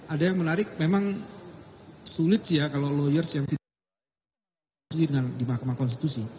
ada yang menarik memang sulit sih ya kalau lawyers yang tidak dipercaya di mahkamah konstitusi